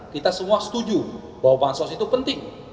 kita semua setuju bahwa bansos itu penting